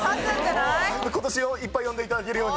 今年もいっぱい呼んで頂けるように。